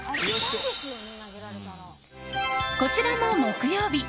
こちらも木曜日。